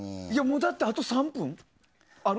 だってあと３分ある？